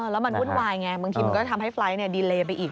แล้วมันวุ่นวายไงบางทีมันก็ทำให้ไฟล์ทดีเลไปอีก